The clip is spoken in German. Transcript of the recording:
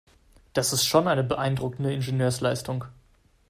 Das ist schon eine beeindruckende Ingenieursleistung.